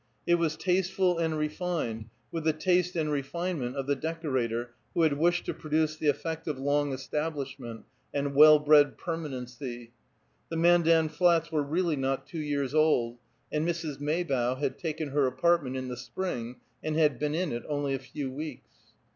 It was tasteful and refined, with the taste and refinement of the decorator who had wished to produce the effect of long establishment and well bred permanency; the Mandan Flats were really not two years old, and Mrs. Maybough had taken her apartment in the spring and had been in it only a few weeks.